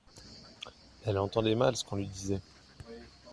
Elle entendait mal ce qu'on lui disait.